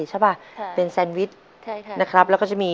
ชาด้วยนะครับ